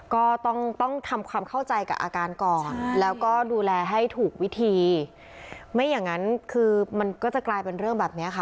ก็ต้องต้องทำความเข้าใจกับอาการก่อนแล้วก็ดูแลให้ถูกวิธีไม่อย่างนั้นคือมันก็จะกลายเป็นเรื่องแบบเนี้ยค่ะ